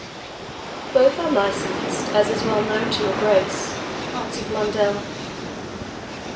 "Both are licensed, as is well known to your Grace," answered Blondel.